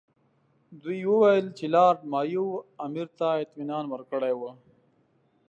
دوی وویل چې لارډ مایو امیر ته اطمینان ورکړی وو.